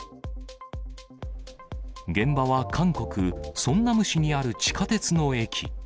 現場は韓国・ソンナム市にある地下鉄の駅。